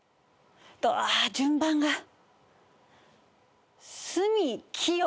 あ順番が。